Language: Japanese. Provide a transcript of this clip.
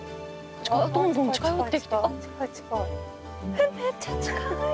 えっめっちゃ近い。